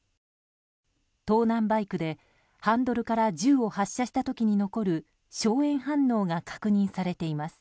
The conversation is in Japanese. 盗難バイクでハンドルから銃を発射した時に残る硝煙反応が確認されています。